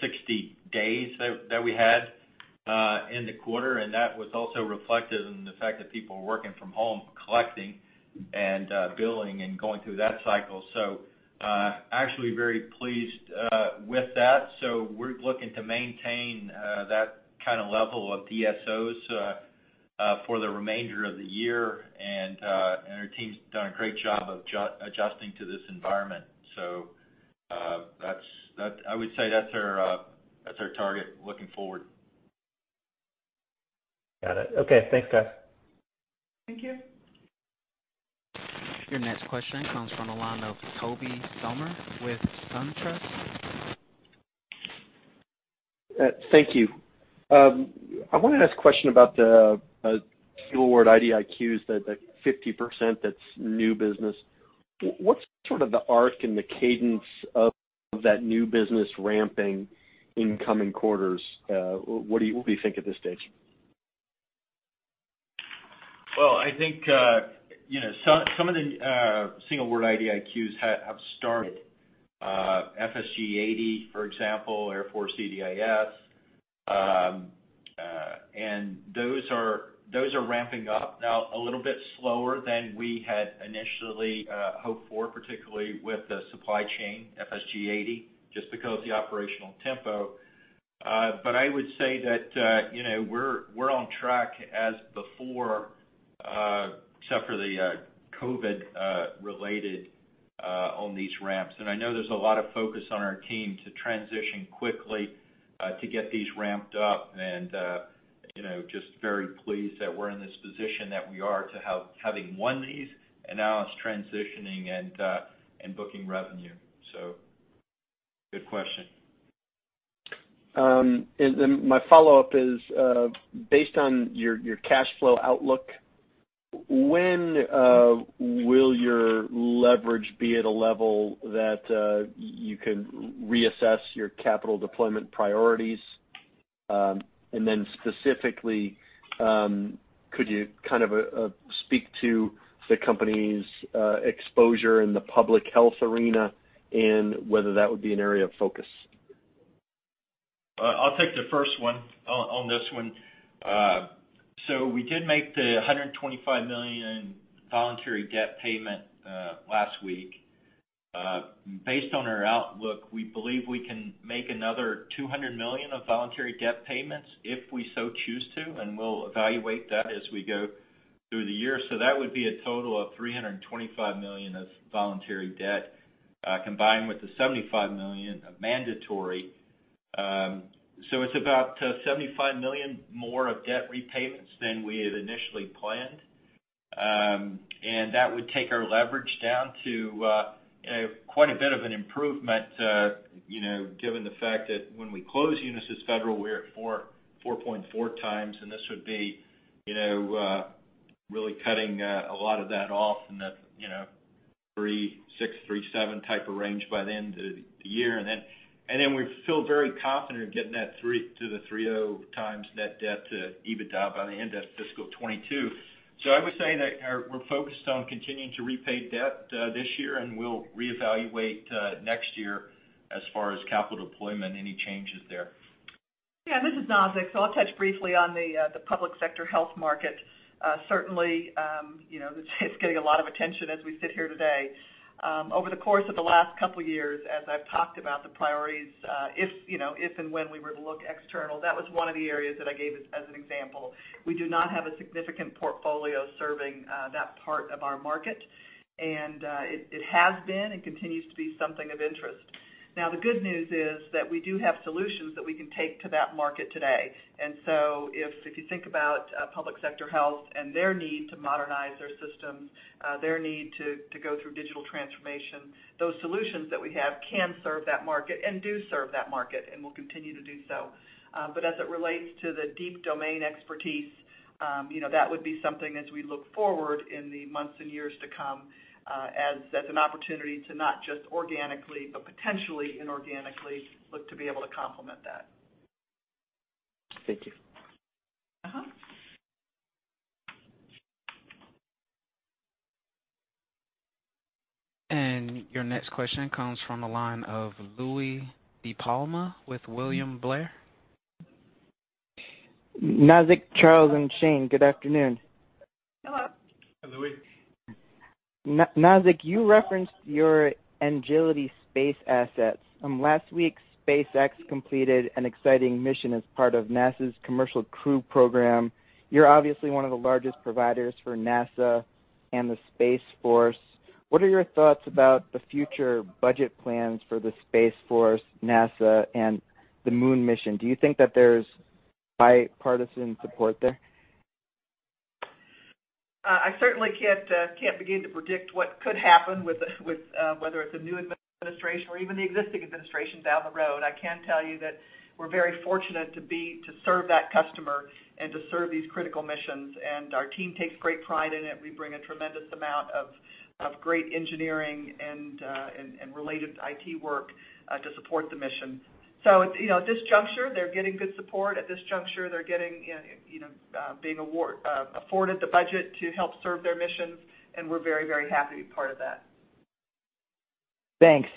60 days that we had in the quarter, and that was also reflected in the fact that people were working from home, collecting and billing and going through that cycle. Actually very pleased with that. We're looking to maintain that kind of level of DSOs for the remainder of the year. Our team's done a great job of adjusting to this environment. I would say that's our target looking forward. Got it. Okay. Thanks, guys. Thank you. Your next question comes from the line of Tobey Sommer with SunTrust. Thank you. I want to ask a question about the single award IDIQs, that 50% that's new business. What's sort of the arc and the cadence of that new business ramping in coming quarters? What do you think at this stage? I think some of the single award IDIQs have started. FSG-80, for example, Air Force EDIS. Those are ramping up now a little bit slower than we had initially hoped for, particularly with the supply chain, FSG-80, just because of the operational tempo. I would say that we're on track as before, except for the COVID-related on these ramps. I know there's a lot of focus on our team to transition quickly to get these ramped up and just very pleased that we're in this position that we are to having won these, and now it's transitioning and booking revenue. Good question. My follow-up is, based on your cash flow outlook, when will your leverage be at a level that you can reassess your capital deployment priorities? Specifically, could you kind of speak to the company's exposure in the public health arena and whether that would be an area of focus? I'll take the first one on this one. We did make the $125 million voluntary debt payment last week. Based on our outlook, we believe we can make another $200 million of voluntary debt payments if we so choose to, and we'll evaluate that as we go through the year. That would be a total of $325 million of voluntary debt, combined with the $75 million of mandatory. It's about $75 million more of debt repayments than we had initially planned. That would take our leverage down to quite a bit of an improvement, given the fact that when we close Unisys Federal, we're at 4.4x, and this would be really cutting a lot of that off and that 3.6-3.7 type of range by the end of the year. We feel very confident getting that to the 3.0x net debt to EBITDA by the end of fiscal 2022. I would say that we're focused on continuing to repay debt this year, and we'll reevaluate next year as far as capital deployment, any changes there. Yeah, this is Nazzic. I'll touch briefly on the public sector health market. Certainly, it's getting a lot of attention as we sit here today. Over the course of the last couple of years, as I've talked about the priorities, if and when we were to look external, that was one of the areas that I gave as an example. We do not have a significant portfolio serving that part of our market. It has been and continues to be something of interest. The good news is that we do have solutions that we can take to that market today. If you think about public sector health and their need to modernize their systems, their need to go through digital transformation, those solutions that we have can serve that market and do serve that market and will continue to do so. As it relates to the deep domain expertise, that would be something as we look forward in the months and years to come as an opportunity to not just organically, but potentially inorganically look to be able to complement that. Thank you. Your next question comes from the line of Louie DiPalma with William Blair. Nazzic, Charlie, and Shane, good afternoon. Hello. Hi, Louie. Nazzic, you referenced your Engility space assets. Last week, SpaceX completed an exciting mission as part of NASA's Commercial Crew Program. You're obviously one of the largest providers for NASA and the Space Force. What are your thoughts about the future budget plans for the Space Force, NASA, and the moon mission? Do you think that there's bipartisan support there? I certainly can't begin to predict what could happen with whether it's a new administration or even the existing administration down the road. I can tell you that we're very fortunate to serve that customer and to serve these critical missions, and our team takes great pride in it. We bring a tremendous amount of great engineering and related IT work to support the mission. At this juncture, they're getting good support. At this juncture, they're being afforded the budget to help serve their missions, and we're very happy to be part of that. Thanks.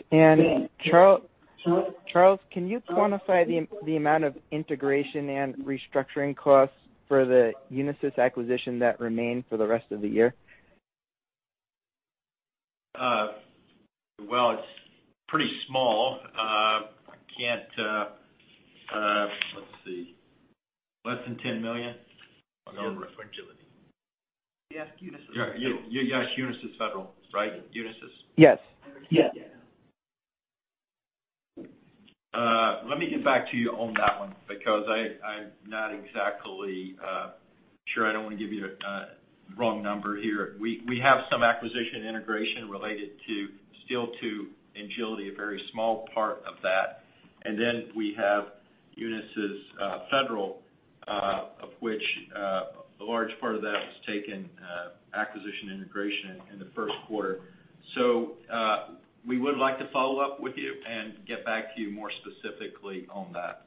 Charles, can you quantify the amount of integration and restructuring costs for the Unisys acquisition that remain for the rest of the year? Well, it's pretty small. Let's see. Less than $10 million. On our refer Engility. Yes, Unisys Federal. Yes, Unisys Federal. Right? Unisys? Yes. Yeah. Let me get back to you on that one, because I'm not exactly sure. I don't want to give you a wrong number here. We have some acquisition integration related to, still to, Engility, a very small part of that. We have Unisys Federal, of which a large part of that was taken acquisition integration in the first quarter. We would like to follow up with you and get back to you more specifically on that.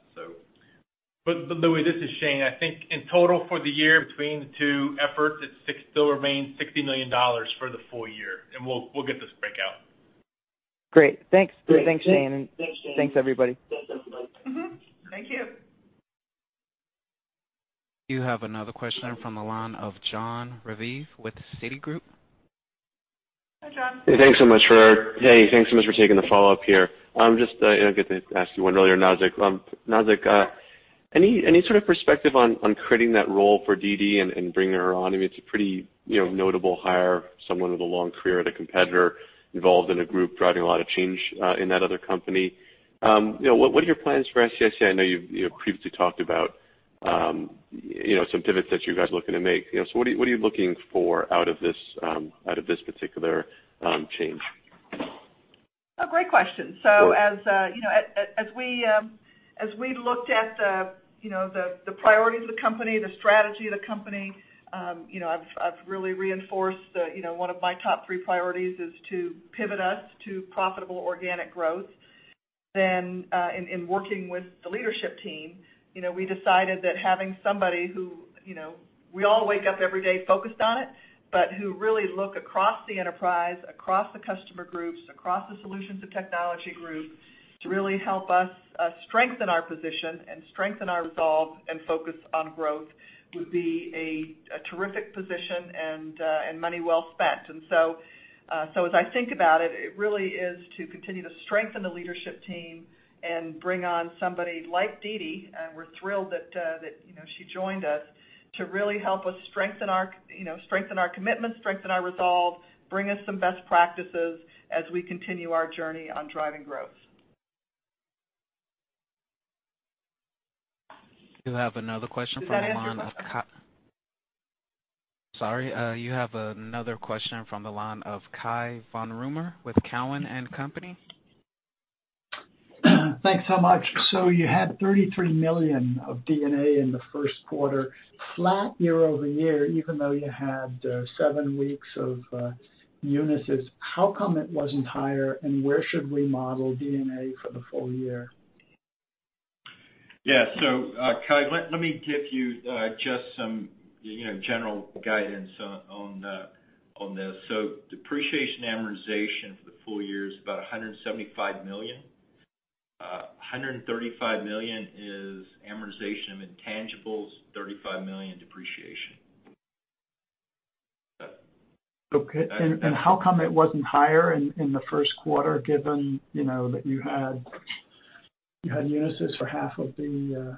Louie, this is Shane. I think in total for the year between the two efforts, it still remains $60 million for the full year, and we'll get this breakout. Great. Thanks, Shane. Thanks, Shane. [crosstalk] Thanks, everybody. Thanks, everybody. [crosstalk] Thank you. You have another question from the line of Jon Raviv with Citigroup. Hi, Jon. Hey, thanks so much for taking the follow-up here. I didn't get to ask you one earlier, Nazzic. Nazzic, any sort of perspective on creating that role for Dee Dee and bringing her on? It's a pretty notable hire, someone with a long career at a competitor, involved in a group driving a lot of change in that other company. What are your plans for SAIC? I know you've previously talked about some pivots that you guys are looking to make. What are you looking for out of this particular change? A great question. As we looked at the priorities of the company, the strategy of the company, I've really reinforced one of my top three priorities is to pivot us to profitable organic growth. In working with the leadership team, we decided that having somebody who, we all wake up every day focused on it, but who really look across the enterprise, across the customer groups, across the solutions and technology groups to really help us strengthen our position and strengthen our resolve and focus on growth would be a terrific position and money well spent. As I think about it really is to continue to strengthen the leadership team and bring on somebody like Dee Dee, and we're thrilled that she joined us, to really help us strengthen our commitment, strengthen our resolve, bring us some best practices as we continue our journey on driving growth. You have another question from the line of Cai- [crosstalk] Does that answer your question? [crosstalk] Sorry, you have another question from the line of Cai von Rumohr with Cowen and Company. Thanks so much. You had $33 million of D&A in the first quarter, flat year-over-year, even though you had seven weeks of Unisys. How come it wasn't higher, and where should we model D&A for the full year? Yeah. Cai, let me give you just some general guidance on this. Depreciation and amortization for the full year is about $175 million. $135 million is amortization of intangibles, $35 million depreciation. Okay. How come it wasn't higher in the first quarter, given that you had Unisys for half of the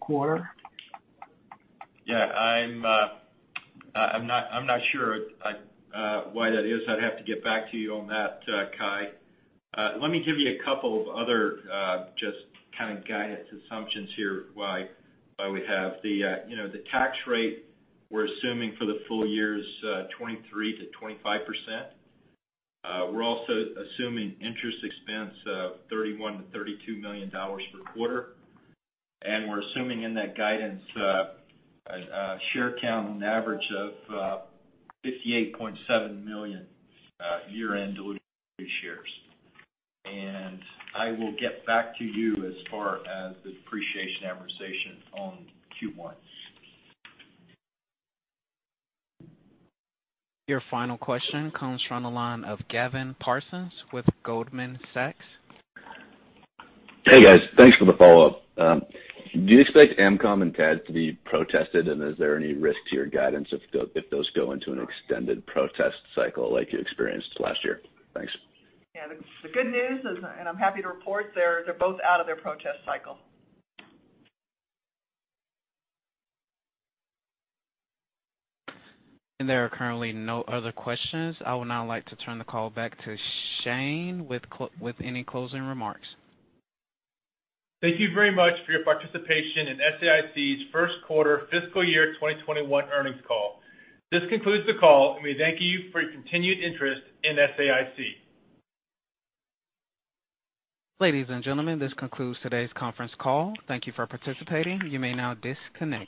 quarter? Yeah. I'm not sure why that is. I'd have to get back to you on that, Cai. Let me give you a couple of other just kind of guidance assumptions here why we have the tax rate we're assuming for the full year is 23%-25%. We're also assuming interest expense of $31 million-$32 million per quarter. We're assuming in that guidance, a share count an average of 58.7 million year-end diluted shares. I will get back to you as far as the depreciation and amortization on Q1. Your final question comes from the line of Gavin Parsons with Goldman Sachs. Hey, guys. Thanks for the follow-up. Do you expect AMCOM and TADS to be protested, and is there any risk to your guidance if those go into an extended protest cycle like you experienced last year? Thanks. Yeah. The good news is, and I'm happy to report, they're both out of their protest cycle. There are currently no other questions. I would now like to turn the call back to Shane with any closing remarks. Thank you very much for your participation in SAIC's first quarter fiscal year 2021 earnings call. This concludes the call, and we thank you for your continued interest in SAIC. Ladies and gentlemen, this concludes today's conference call. Thank you for participating. You may now disconnect.